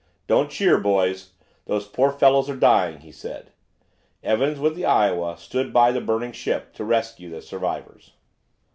"Don't cheer, boys. Those poor fellows are dying," he said. Evans, with the "Iowa," stood by the burning ship to rescue the survivors.